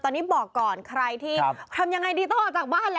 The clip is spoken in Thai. ตอนนี้บอกก่อนใครที่ทำยังไงดีต้องออกจากบ้านแล้ว